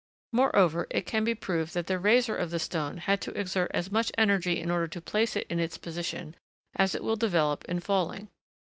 Moreover, it can be proved that the raiser of the stone had to exert as much energy in order to place it in its position, as it will develop in falling.